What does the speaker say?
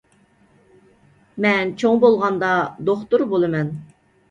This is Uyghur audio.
مەن چوڭ بولغاندا دوختۇر بولىمەن.